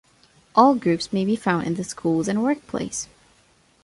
All groups may be found in the schools and workplace.